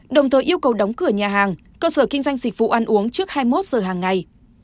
đồng thời yêu cầu đóng cửa nhà hàng cơ sở kinh doanh dịch vụ ăn uống trước hai mươi một giờ hàng ngày